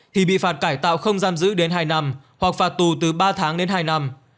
thì bị phạt cải tạo không giam giữ đến hai năm hoặc phạt tù từ ba tháng đến hai năm